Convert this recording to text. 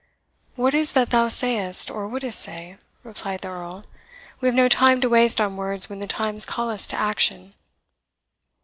"What is that thou sayest, or wouldst say?" replied the Earl; "we have no time to waste on words when the times call us to action."